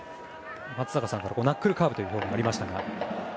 松坂さんからナックルカーブという表現がありましたが。